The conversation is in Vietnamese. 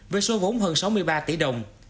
về số vốn hơn sáu mươi ba tỷ đồng